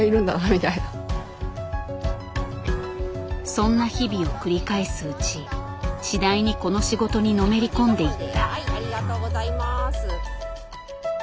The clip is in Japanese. そんな日々を繰り返すうち次第にこの仕事にのめり込んでいった。